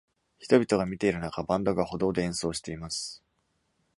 人々が見ているなか、バンドが歩道で演奏しています。